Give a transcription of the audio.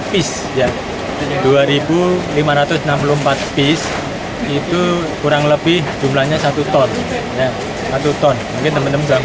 lima ratus enam puluh empat piece ya dua ribu lima ratus enam puluh empat piece itu kurang lebih jumlahnya satu ton satu ton mungkin temen temen